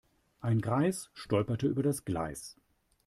Ein Greis stolperte über das Gleis.